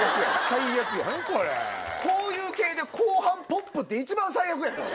こういう系で後半ポップって一番最悪やで。